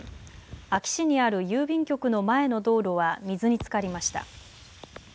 安芸市にある郵便局の前の道路は水につかりました。